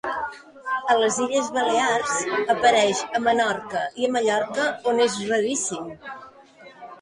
A les Illes Balears apareix a Menorca i a Mallorca, on és raríssim.